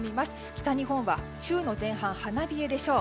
北日本は週の前半花冷えでしょう。